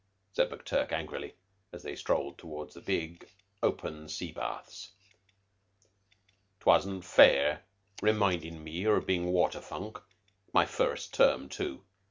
said McTurk angrily, as they strolled towards the big, open sea baths. "'Twasn't fair remindin' one of bein' a water funk. My first term, too.